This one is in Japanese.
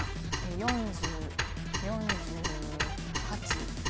４０４８。